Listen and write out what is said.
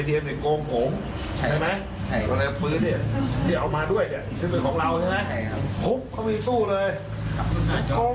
ใช่ครับ